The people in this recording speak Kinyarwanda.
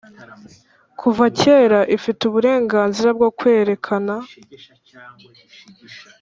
Kuva kera ifite uburenganzira bwo kwerekana